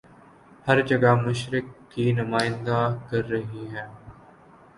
ہر جگہ مشرق کی نمائندہ کرہی ہیں